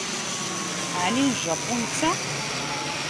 Ɛni n Japu netta?